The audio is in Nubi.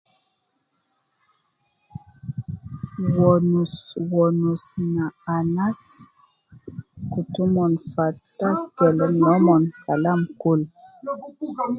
Wonusu wonusu na anas, kutu umon falta kelem noumon kalam kulu